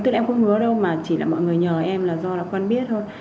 tức là em không ngứa đâu mà chỉ là mọi người nhờ em là do là con biết thôi